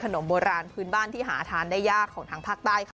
ขนมโบราณพื้นบ้านที่หาทานได้ยากของทางภาคใต้ค่ะ